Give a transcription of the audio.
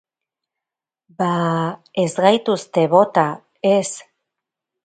Ba, ez gaituzte bota, ez.